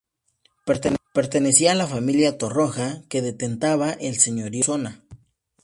Pertenecía a la familia Torroja, que detentaba el señorío de Solsona.